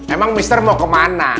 emang mister mau kemana